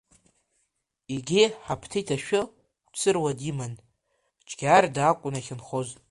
Егьи, Хаԥҭиҭ Ашәы Қәцыруа диман, Џьгьарда акәын иахьынхоз.